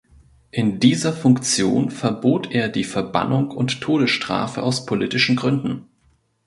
In dieser Funktion verbot er die Verbannung und Todesstrafe aus politischen Gründen.